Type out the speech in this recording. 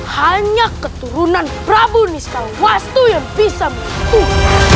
hanya keturunan prabu nisrawastu yang bisa membentuk